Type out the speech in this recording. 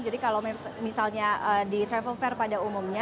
jadi kalau misalnya di travel fair pada umumnya